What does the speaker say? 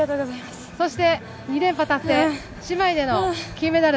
そして２連覇達成、姉妹での金メダル。